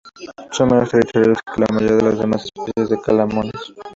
Son menos territoriales que la mayoría de las demás especies de camaleones.